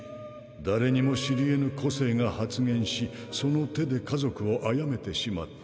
誰にも知りえぬ個性が発現しその手で家族を殺めてしまった。